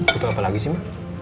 foto apa lagi sih ma